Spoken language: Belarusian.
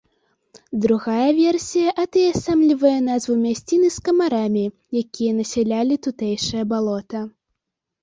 Другая версія атаясамлівае назву мясціны з камарамі, якія насялялі тутэйшае балота.